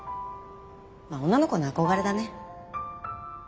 まあ女の子の憧れだね。